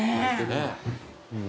ねえ。